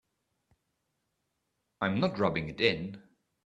I'm not rubbing it in.